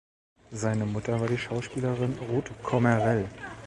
Seine Mutter war die Schauspielerin Ruth Kommerell.